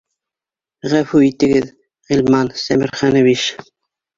— Ғәфү итегеҙ, Ғилман Сәмерханович